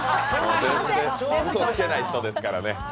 うそつけない人ですからね。